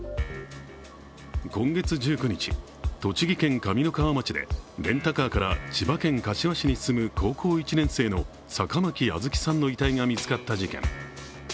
今月１９日、栃木県上三川町でレンタカーから千葉県柏市の住む高校１年生の坂巻杏月さんの遺体が見つかった事件。